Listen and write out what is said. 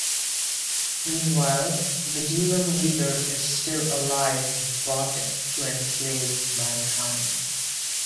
Meanwhile, the Demon leader is still alive and plotting to enslave mankind.